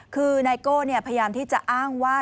คือไนโก้พยายามที่จะอ้างว่า